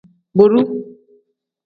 Bodu.